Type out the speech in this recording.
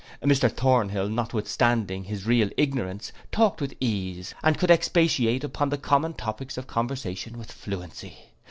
Mr Thornhill, notwithstanding his real ignorance, talked with ease, and could expatiate upon the common topics of conversation with fluency.